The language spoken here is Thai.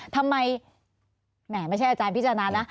ทำไมแหมไม่ใช่อาจารย์พิจารณานะ